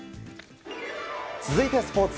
続いて、スポーツ。